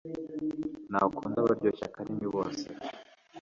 nakunda abaryoshya akarimi bose